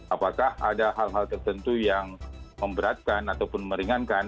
apakah ada hal hal tertentu yang memberatkan ataupun meringankan